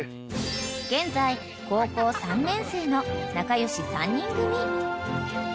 ［現在高校３年生の仲良し３人組］